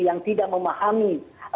yang tidak memahami